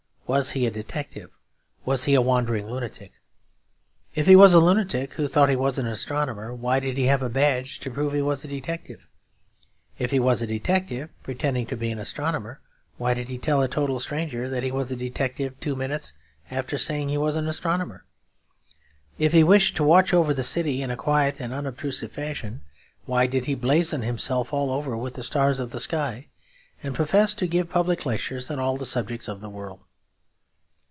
Was he a detective? Was he a wandering lunatic? If he was a lunatic who thought he was an astronomer, why did he have a badge to prove he was a detective? If he was a detective pretending to be an astronomer, why did he tell a total stranger that he was a detective two minutes after saying he was an astronomer? If he wished to watch over the city in a quiet and unobtrusive fashion, why did he blazon himself all over with all the stars of the sky, and profess to give public lectures on all the subjects of the world?